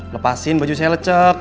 lepasin baju saya lecek